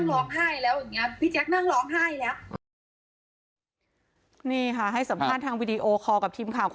เราลดเช็คจิตใจแล้ว